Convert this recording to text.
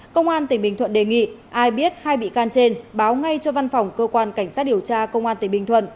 công an tỉnh bình thuận đề nghị ai biết hai bị can trên báo ngay cho văn phòng cơ quan cảnh sát điều tra công an tỉnh bình thuận